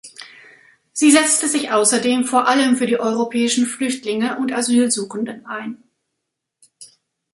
Sie setzte sich außerdem vor allem für die europäischen Flüchtlinge und Asylsuchenden ein.